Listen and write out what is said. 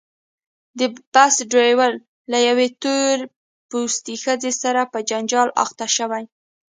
د بس ډریور له یوې تور پوستې ښځې سره په جنجال اخته شوی.